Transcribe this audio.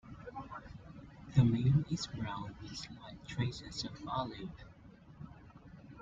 The male is brown with slight traces of olive.